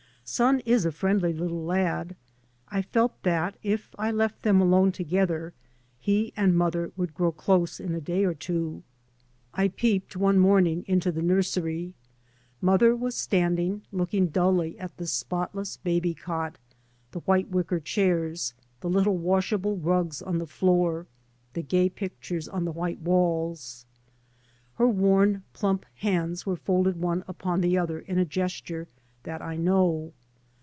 Son is a iriendly little lad. I felt that, if I left them alone together, he and mother would grow close in a day or two. I peeped [1633 3 by Google MY MOTHER AND I one morning into the nursery. Mother was standing, looking dully at the spotless baby cot, the white widcer chairs, the little wash able nigs on the floor, the gay pictures on the white walls. Her worn plump hands were folded one upon the other in a gesture that I know.